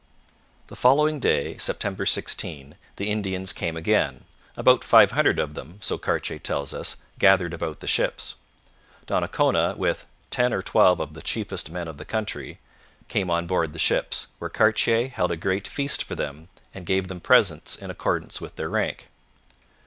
The following day, September 16, the Indians came again. About five hundred of them, so Cartier tells us, gathered about the ships. Donnacona, with 'ten or twelve of the chiefest men of the country,' came on board the ships, where Cartier held a great feast for them and gave them presents in accordance with their rank.